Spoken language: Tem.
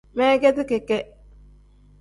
Meegeti keke.